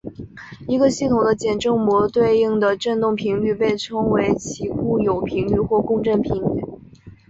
一个系统的简正模对应的振动频率被称为其固有频率或共振频率。